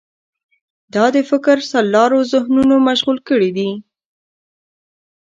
دا د فکر سرلارو ذهنونه مشغول کړي دي.